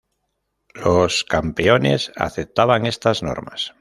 Los campeones aceptaban estas normas.